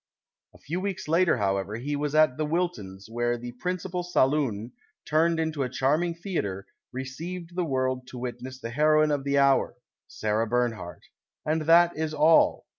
A few weeks later, however, he was at the Wiltons', where " the principal saloon, turned into a charming theatre, received the world to witness the heroine of the hour, Sarah Bernhardt." And that is all.